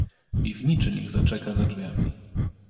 "Piwniczy niech zaczeka za drzwiami."